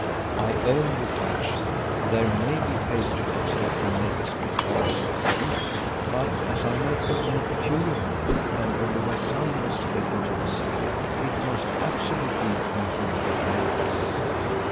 "I own," replied she, "there may be pastry cooks that can make as good tarts as he; but as I make them in a peculiar manner, and only my son was let into the secret, it must absolutely be he that made this.